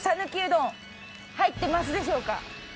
入ってますでしょうか？